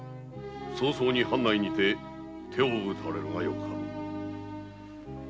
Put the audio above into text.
早々に藩内にて手を打たれるがよかろう。